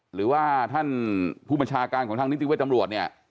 หรือว่าท่านผู้บัญชาการของทางนิติเวทตำรวจเนี่ย